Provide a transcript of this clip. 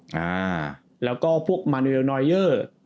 โอแล้วก็พวกน้ายเจอ